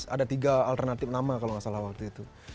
ada tiga alternatif nama kalau nggak salah waktu itu